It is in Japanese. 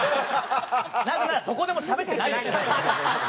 なぜならどこでもしゃべってないんですから。